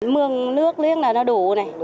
mương nước liếc là nó đủ